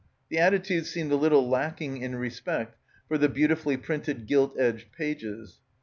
The attitude seemed a little lacking in respect for the beautifully printed gilt edged pages.